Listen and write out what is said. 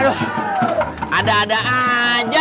aduh ada ada aja